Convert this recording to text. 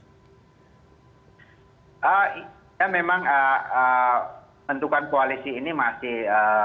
ya memang bentukan koalisi ini masih